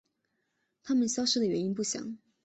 它们消失的原因不详。